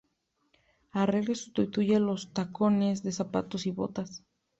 Arregla y sustituye los tacones de zapatos y botas.